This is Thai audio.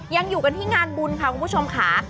ยังอยู่กันที่งานบุญค่ะคุณผู้ชมค่ะ